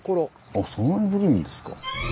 あそんなに古いんですか。